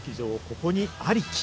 ここにありき」。